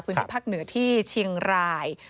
พื้นที่ภาคเหนือที่เชียงราย